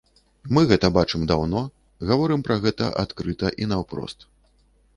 Мы гэта бачым даўно, гаворым пра гэта адкрыта і наўпрост.